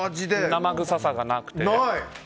生臭さがなくて。